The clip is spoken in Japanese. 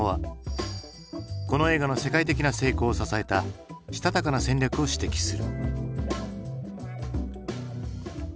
この映画の世界的な成功を支えたしたたかな戦略を指摘する。